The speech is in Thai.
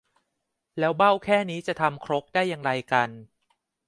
แล้วเบ้าแค่นี้จะทำครกได้อย่างไรกัน